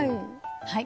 はい。